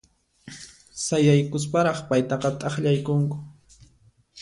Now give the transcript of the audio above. Sayaykusparaq paytaqa t'aqllaykunku.